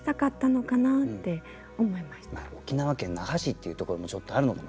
沖縄県那覇市っていうところもちょっとあるのかもしれませんよね。